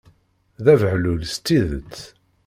D abehlul s tidet!